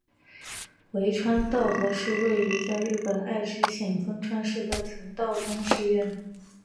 丰川稻荷是位在日本爱知县丰川市的曹洞宗寺院。